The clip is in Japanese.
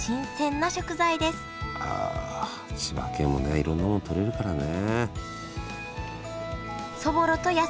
ああ千葉県もねいろんなもの採れるからね。